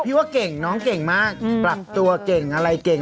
ว่าเก่งน้องเก่งมากปรับตัวเก่งอะไรเก่ง